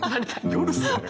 夜っすよね。